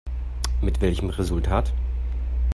Mit welchem Resultat?